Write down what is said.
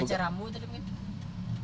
baca rambut itu mungkin